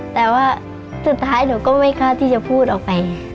แต่ว่าสุดท้ายหนูก็ไม่กล้าที่จะพูดออกไป